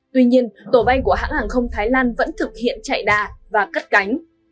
tuy nhiên tổ bay của hãng hàng không thái lan vẫn thực hiện chạy đà và cắt cánh